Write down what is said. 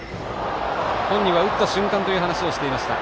本人は打った瞬間という話をしていました。